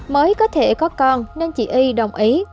mới có thể có con nên chị y đồng ý